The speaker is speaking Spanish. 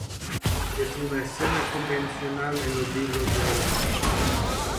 Es una escena convencional en los libros de horas.